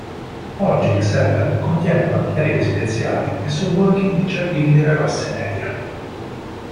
Oggi, Csepel contiene quartieri residenziali e sobborghi di giardini della classe media.